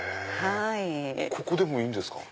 ここでもいいんですか？